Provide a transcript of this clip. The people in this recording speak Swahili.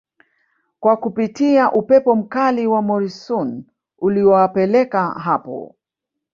kwa kupitia upepo mkali wa Morisoon uliowapeleka hapo